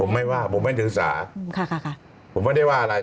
ผมไม่ว่าผมไม่นึกษาผมไม่ได้ว่าอะไร